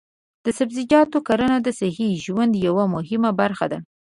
د سبزیجاتو کرنه د صحي ژوند یوه مهمه برخه ده.